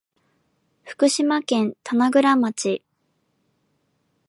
福島県棚倉町